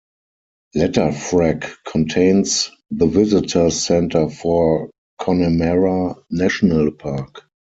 Letterfrack contains the visitors centre for Connemara National Park.